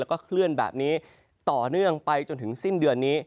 แล้วก็เคลื่อนแบบนี้ต่อเนื่องไปจนถึงสิ้นเดือนนี้